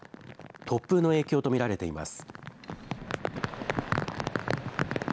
突風の影響と見られています。